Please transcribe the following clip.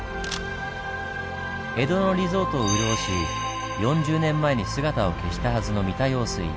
江戸のリゾートを潤し４０年前に姿を消したはずの三田用水。